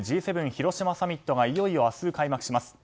広島サミットがいよいよ明日開幕します。